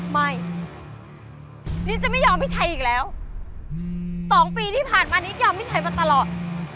นิดจะไม่ยอมพี่ชัยอีกแล้ว๒ปีที่ผ่านมานิดยอมพี่ชัยมาตลอด